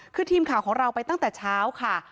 คือทีมข่าวของเราไปตั้งแต่เช้าค่ะ